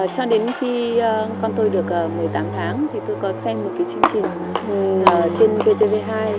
cho đến khi con tôi được một mươi tám tháng thì tôi có xem một cái chương trình trên vtv hai